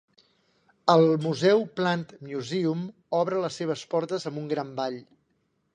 El museu Plant Museum obre les seves portes amb un gran ball.